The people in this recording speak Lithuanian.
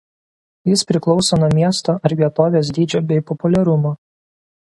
Jis priklauso nuo miesto ar vietovės dydžio bei populiarumo.